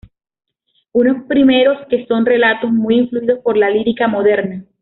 Unos primeros que son relatos muy influidos por la lírica moderna.